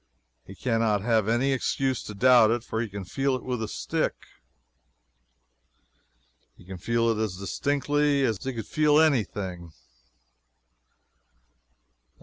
He can not have any excuse to doubt it, for he can feel it with the stick. He can feel it as distinctly as he could feel any thing.